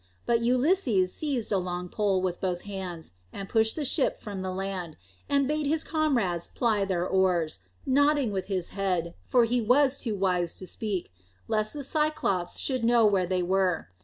But Ulysses seized a long pole with both hands and pushed the ship from the land, and bade his comrades ply their oars, nodding with his head, for he was too wise to speak, lest the Cyclops should know where they were.